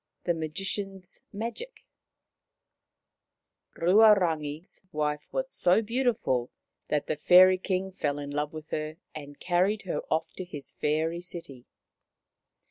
THE MAGICIAN'S MAGIC Ruarangi's wife was so beautiful that the Fairy King fell in love with her and carried her off to his fairy city.